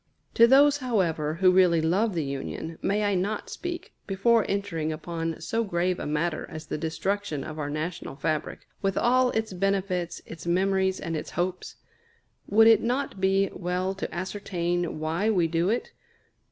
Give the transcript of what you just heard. To those, however, who really love the Union, may I not speak, before entering upon so grave a matter as the destruction of our national fabric, with all its benefits, its memories, and its hopes? Would it not be well to ascertain why we do it?